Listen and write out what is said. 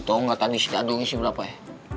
lo tau gak tadi dadung isi berapa ya